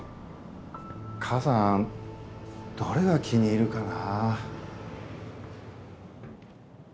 母さんどれが気に入るかな。